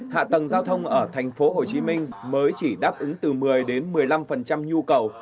hạ tầng giao thông ở tp hcm mới chỉ đáp ứng từ một mươi một mươi năm nhu cầu